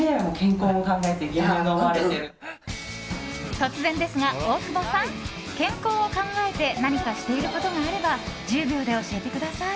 突然ですが大久保さん健康を考えて何かしていることがあれば１０秒で教えてください。